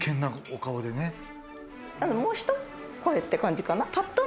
もうひと声っていう感じかな。